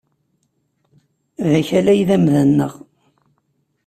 D Akal ay d amda-nneɣ.